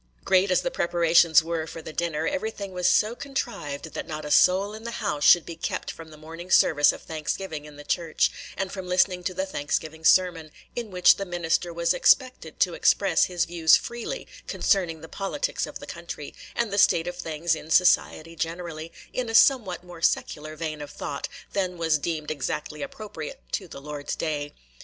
Great as the preparations were for the dinner, everything was so contrived that not a soul in the house should be kept from the morning service of Thanksgiving in the church, and from listening to the Thanksgiving sermon, in which the minister was expected to express his views freely concerning the politics of the country, and the state of things in society generally, in a somewhat more secular vein of thought than was deemed exactly appropriate to the Lord's day.